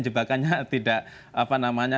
jebakannya tidak apa namanya